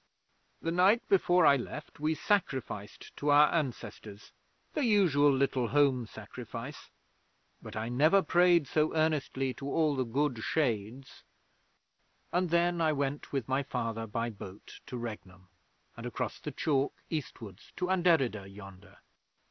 'The night before I left we sacrificed to our ancestors the usual little Home Sacrifice but I never prayed so earnestly to all the Good Shades, and then I went with my Father by boat to Regnum, and across the chalk eastwards to Anderida yonder.'